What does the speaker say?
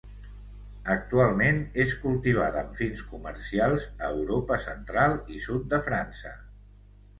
Actualment és cultivada amb fins comercials a Europa Central i sud de França.